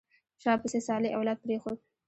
شا پسې صالح اولاد پرېښود.